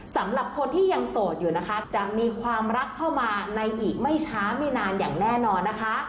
สำหรับคนที่ยังโสดอยู่นะคะจะมีความรักเข้ามาในอีกไม่ช้าไม่นานอย่างแน่นอนนะคะ